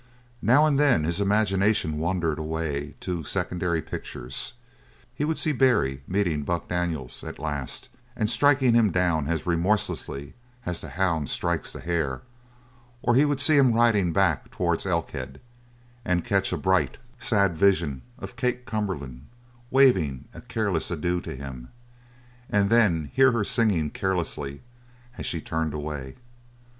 Now and then his imagination wandered away to secondary pictures. He would see Barry meeting Buck Daniels, at last, and striking him down as remorselessly as the hound strikes the hare; or he would see him riding back towards Elkhead and catch a bright, sad vision of Kate Cumberland waving a careless adieu to him, and then hear her singing carelessly as she turned away.